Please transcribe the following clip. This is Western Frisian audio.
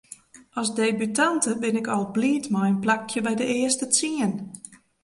As debutante bin ik al bliid mei in plakje by de earste tsien.